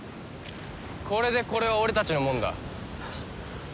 これでこれは俺たちのものだ。